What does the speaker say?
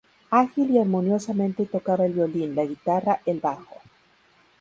Ágil y armoniosamente tocaba el violín, la guitarra, el bajo.